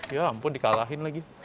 ya ampun dikalahin lagi